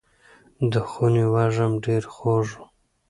د خونې وږم ډېر خوږ و.